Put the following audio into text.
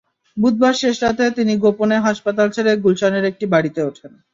বুধবার শেষ রাতে তিনি গোপনে হাসপাতাল ছেড়ে গুলশানের একটি বাড়িতে ওঠেন।